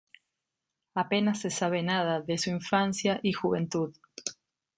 Apenas se sabe nada de su infancia y juventud.